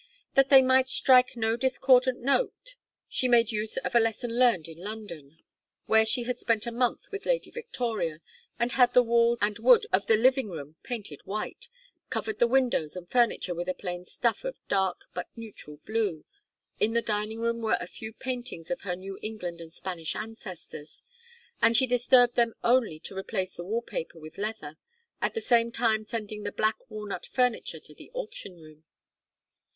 That they might strike no discordant note, she made use of a lesson learned in London, where she had spent a month with Lady Victoria, and had the walls and wood of the living room painted white, covered the windows and furniture with a plain stuff of a dark but neutral blue. In the dining room were a few paintings of her New England and Spanish ancestors, and she disturbed them only to replace the wall paper with leather; at the same time sending the black walnut furniture to the auction room.